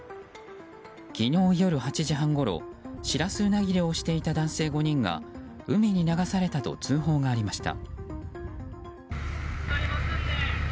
昨日夜８時半ごろシラスウナギ漁をしていた男性５人が海に流されたと通報がありました。